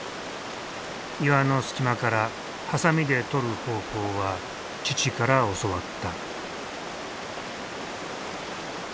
岩の隙間からハサミでとる方法は父から教わった。